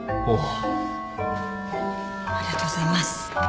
ありがとうございます。